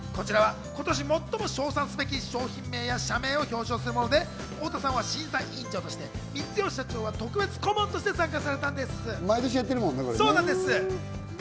こちらは今年最も賞賛すべき商品名や社名を表彰するもので、太田さんは審査委員長として光代社長は特別顧問として参加された毎年やってるもんね。